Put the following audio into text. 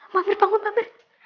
pak mir bangun pak mir